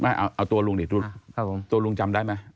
เอาตัวลุงดิตัวลุงจำได้ไหม